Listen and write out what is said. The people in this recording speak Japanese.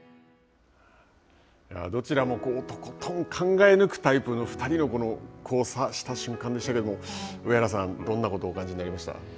どちらもとことん考え抜くタイプの２人の瞬間でしたけど上原さん、どんなことをお感じになりましたか。